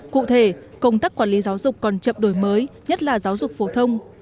cụ thể công tác quản lý giáo dục còn chậm đổi mới nhất là giáo dục phổ thông